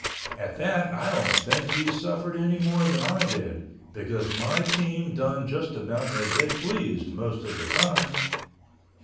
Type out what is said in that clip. At that I don't think he suffered anymore than I did, because my team done just about as they pleased most of the time.